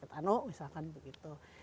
atau di tanuk misalkan begitu